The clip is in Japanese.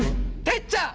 てっちゃん！